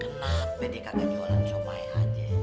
kenapa dikagak jualan somai aja